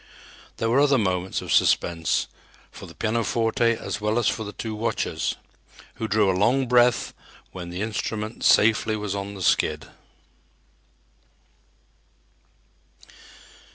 There were other moments of suspense, for the pianoforte as well as for the two watchers, who drew a long breath when the instrument safely was on the skid.